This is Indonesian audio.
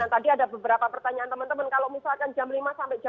tadi ada beberapa pertanyaan teman teman kalau misalkan jam lima sampai jam